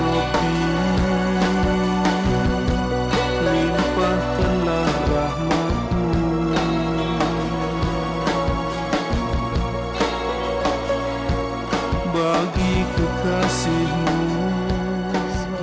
untuk bohong dan menyakiti siapa pun